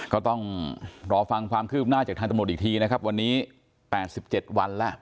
ก็ต้องรอฟังความคืบหน้าจากทางตำรวจอีกทีนะครับวันนี้๘๗วันแล้ว